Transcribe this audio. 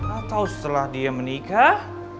atau setelah dia menikah